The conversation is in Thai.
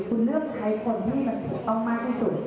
คุณเลือกใครคนที่มันต้องมากที่สุด